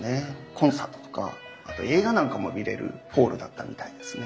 コンサートとかあと映画なんかも見れるホールだったみたいですね。